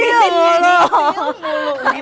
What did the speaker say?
mintil mulu gitu kan ya